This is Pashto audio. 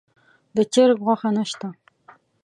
د چرګ غوښه نه شته.